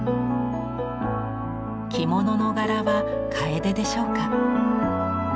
着物の柄は楓でしょうか。